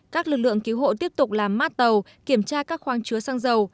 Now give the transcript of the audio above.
các lực lượng cứu hộ tiếp tục làm mát tàu kiểm tra các khoang chứa xăng dầu